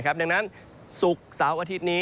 ดังนั้นศุกร์เสาร์อาทิตย์นี้